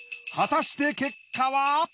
果たして結果は！？